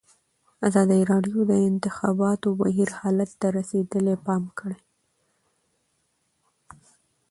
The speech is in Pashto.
ازادي راډیو د د انتخاباتو بهیر حالت ته رسېدلي پام کړی.